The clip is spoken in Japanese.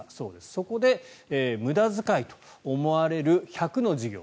そこで、無駄遣いと思われる１００の事業